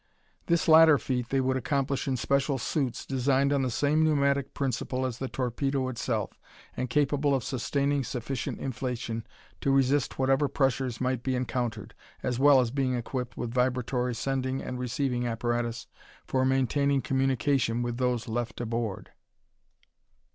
This latter feat they would accomplish in special suits, designed on the same pneumatic principle as the torpedo itself and capable of sustaining sufficient inflation to resist whatever pressures might be encountered, as well as being equipped with vibratory sending and receiving apparatus, for maintaining communication with those left aboard.